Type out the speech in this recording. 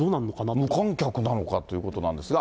無観客なのかということなんですが。